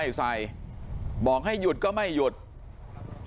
สุดท้ายเนี่ยขี่รถหน้าที่ก็ไม่ยอมหยุดนะฮะ